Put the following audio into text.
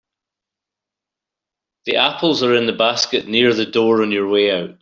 The apples are in the basket near the door on your way out.